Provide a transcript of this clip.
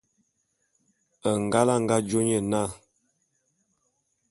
Ngal a nga jô nye na.